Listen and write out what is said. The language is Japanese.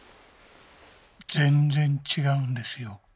全然違うんですよ。